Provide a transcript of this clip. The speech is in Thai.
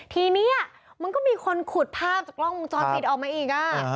ทีนี้มันก็มีคนขุดภาพจากกล้องวงจรปิดออกมาอีก